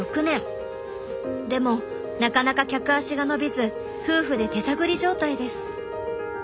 でもなかなか客足が伸びず夫婦で手探り状態です。